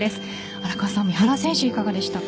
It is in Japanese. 荒川さん三原選手いかがでしたか？